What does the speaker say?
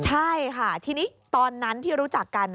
ใช่ค่ะทีนี้ตอนนั้นที่รู้จักกัน